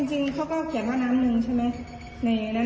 จริงแล้วเขาก็เขียนผ้างลำนึงใช่มั้ย